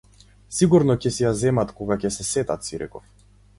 Сигурно ќе си ја земат, кога ќе се сетат, си реков.